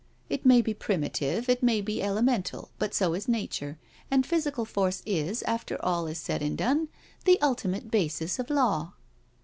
It may. be primitive, it may be elemental, but so is nature, and physical force is, after all is said and done, the ultimate basis of law."